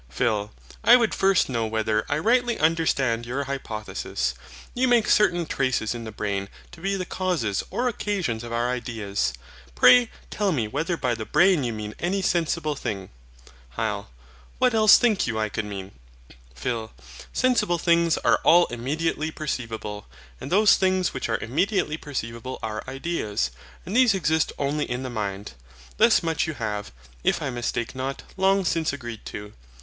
PHIL. I would first know whether I rightly understand your hypothesis. You make certain traces in the brain to be the causes or occasions of our ideas. Pray tell me whether by the BRAIN you mean any sensible thing. HYL. What else think you I could mean? PHIL. Sensible things are all immediately perceivable; and those things which are immediately perceivable are ideas; and these exist only in the mind. Thus much you have, if I mistake not, long since agreed to.